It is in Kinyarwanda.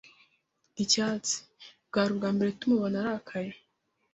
Icyatsi. Bwari ubwambere tumubona arakaye.